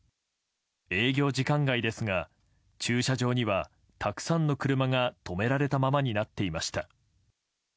営業時間外ですが駐車場には、たくさんの車が止められたままになっていました。